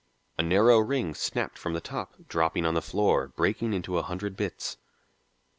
A narrow ring snapped from the top, dropping on the floor, breaking into a hundred bits.